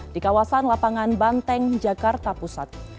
di kawasan lapangan banteng jakarta pusat